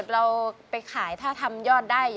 คุณหมอบอกว่าเอาไปพักฟื้นที่บ้านได้แล้ว